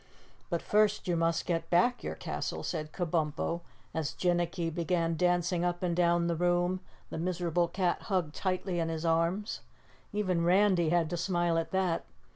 "But first you must get back your castle," said Kabumpo as Jinnicky began dancing up and down the room, the miserable cat hugged tightly in his arms. Even Randy had to smile at that.